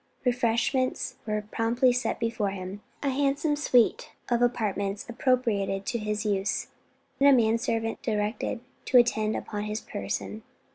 Refreshments were promptly set before him, a handsome suite of apartments appropriated to his use, and a man servant directed to attend upon his person.